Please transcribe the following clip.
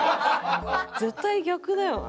絶対逆だよな。